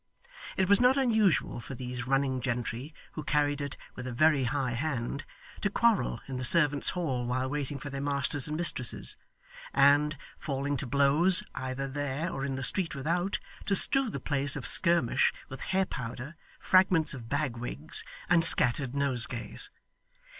It was not unusual for these running gentry, who carried it with a very high hand, to quarrel in the servants' hall while waiting for their masters and mistresses; and, falling to blows either there or in the street without, to strew the place of skirmish with hair powder, fragments of bag wigs, and scattered nosegays.